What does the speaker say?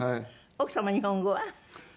奥様日本語は？